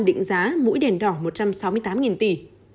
định giá mũi đèn đỏ một trăm sáu mươi tám tỷ